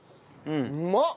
うまっ！